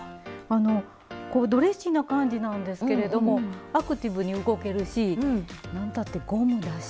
あのこうドレッシーな感じなんですけれどもアクティブに動けるしなんたってゴムだし。